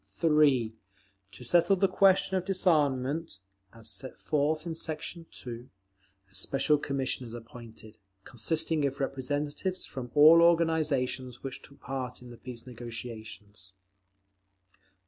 3. To settle the question of disarmament, as set forth in section 2, a special commission is appointed, consisting of representatives from all organisations which took part in the peace negotiations.